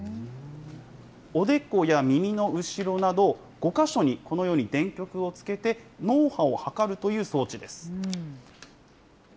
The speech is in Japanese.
おでこや耳の後ろなど、５か所にこのように電極をつけて、脳波を測るという装置です。